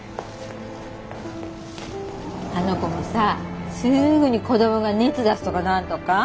あの子もさすぐに子どもが熱出すとか何とか。